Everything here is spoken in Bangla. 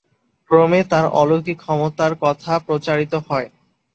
ক্রমে তাঁর অলৌকিক ক্ষমতার কথা প্রচারিত হয়।